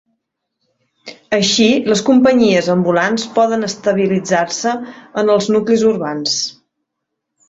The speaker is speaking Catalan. Així, les companyies ambulants poden estabilitzar-se en els nuclis urbans.